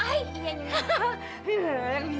kamu mau berkahwin